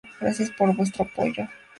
Gracias por vuestro apoyo.